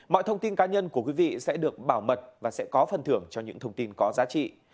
mọi thông tin cá nhân của quý vị sẽ được bảo mật và sẽ có phần thưởng cho những thông tin có giá trị